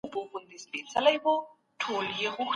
هغه نجلۍ چي په کمپیوټر کي ناسته ده زما خور ده.